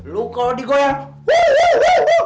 lu kalo digoyang wih wih wih wih